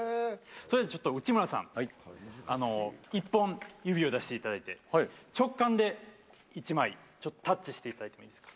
それではちょっと内村さん、１本、指を出していただいて、直感で１枚、ちょっとタッチしていただいてもいいですか。